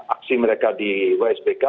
aksi mereka di wsbk